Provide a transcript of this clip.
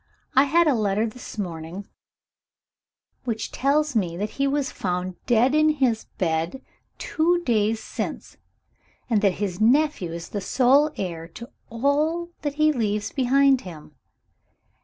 I had a letter this morning which tells me that he was found dead in his bed, two days since, and that his nephew is the sole heir to all that he leaves behind him.